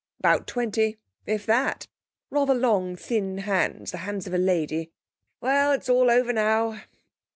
'About twenty if that. Rather long, thin hands the hands of a lady. Well, it's all over now.'